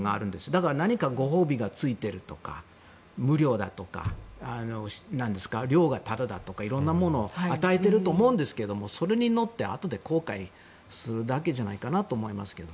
だから何かご褒美がついているとか無料だとか、寮がタダだとかいろんなものを与えていると思うんですけどそれに乗って、あとで後悔するだけじゃないかなと思います。